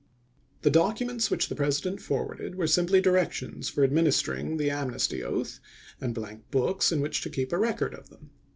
The documents which the President forwarded were simply directions for administering the am nesty oath, and blank books in which to keep a record of them.